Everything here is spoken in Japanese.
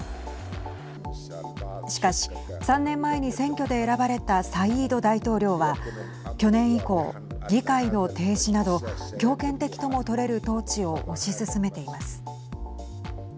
しかし、３年前に選挙で選ばれたサイード大統領は去年以降、議会の停止など強権的とも取れる統治を推し進めています。